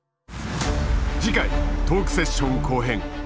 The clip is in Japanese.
次回、トークセッション後編。